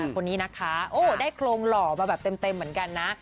คนนี้นะคะโอ้ได้โครงหล่อมาแบบเต็มเหมือนกันนะ